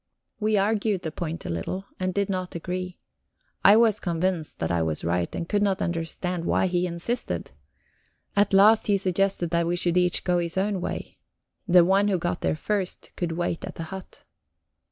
We argued the point a little, and did not agree. I was convinced that I was right, and could not understand why he insisted. At last he suggested that we should each go his own way; the one who got there first could wait at the hut.